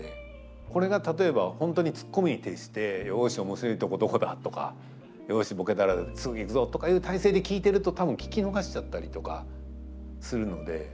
これが例えば本当にツッコミに徹して「よし面白いとこどこだ」とか「よしボケたらすぐ行くぞ」とかいう態勢で聞いてると多分聞き逃しちゃったりとかするので。